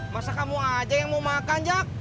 masa kamu aja yang mau makan jak